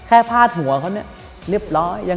พาดหัวเขาเนี่ยเรียบร้อย